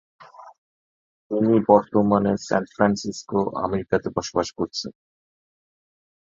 তিনি বর্তমানে San Francisco, আমেরিকাতে বসবাস করছেন।